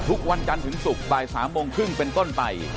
ทุกวันจันทร์ถึงศุกร์บ่าย๓โมงครึ่งเป็นต้นไป